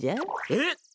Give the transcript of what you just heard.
えっ⁉